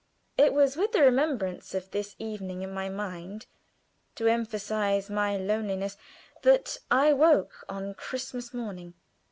It was with the remembrance of this evening in my mind to emphasize my loneliness that I woke on Christmas morning.